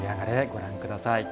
ご覧ください。